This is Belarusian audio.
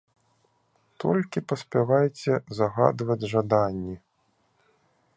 Толькі паспявайце загадваць жаданні.